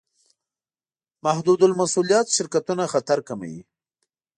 محدودالمسوولیت شرکتونه خطر کموي.